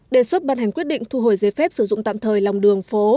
đề xuất ban hành quyết định thu hồi giấy phép sử dụng tạm thời lòng đường phố